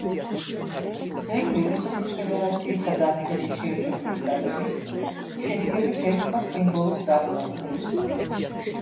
ძეგლი რუსეთის ფედერაციისა და ამერიკის შეერთებული შტატების შერიგების ერთგვარ სიმბოლოს წარმოადგენს.